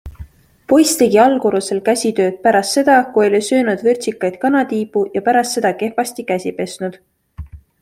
Poiss tegi allkorrusel käsitööd pärast seda, kui oli söönud vürtsikaid kanatiibu ja pärast seda kehvasti käsi pesnud.